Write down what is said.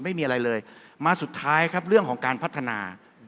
ไม่มีอะไรเลยมาสุดท้ายครับเรื่องของการพัฒนา